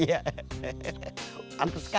senyumnya jantung lebar